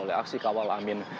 oleh aksi kawal amin